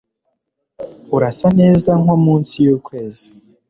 Urasa neza nko munsi yukwezi